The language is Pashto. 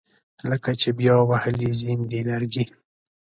لکه چې بیا وهلي زیم دي لرګي